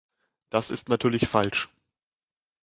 Das ist natürlich falsch!